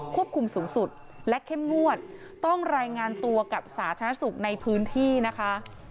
คุมสูงสุดและเข้มงวดต้องรายงานตัวกับสาธารณสุขในพื้นที่นะคะ